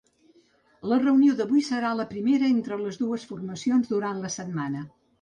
La reunió d’avui serà la primera entre les dues formacions durant la setmana.